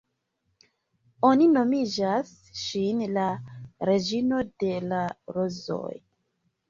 Oni nomigas ŝin "La Reĝino de la Rozoj".